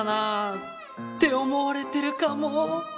って思われてるかも。